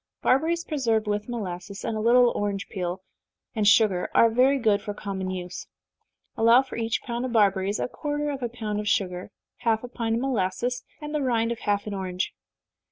Barberries preserved with molasses, and a little orange peel and sugar, are very good for common use. Allow for each pound of barberries a quarter of a pound of sugar, half a pint of molasses, and the rind of half an orange.